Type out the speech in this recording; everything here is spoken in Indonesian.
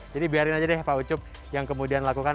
jadi biarin aja deh pak ucup yang kemudian lakukan